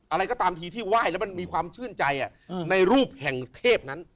อะไรก็ตามทีที่ไหว้แล้วมันมีความชื่นใจในรูปแห่งเทพนั้น